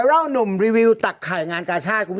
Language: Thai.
เวร่านุ่มรีวิวตักข่ายงานกาชาติ